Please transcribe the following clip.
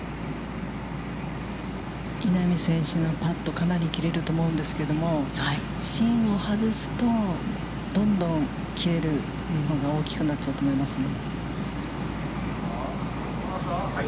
稲見選手のパット、かなり切れると思うんですけども、芯を外すとどんどん切れるのが、大きくなっちゃうと思いますね。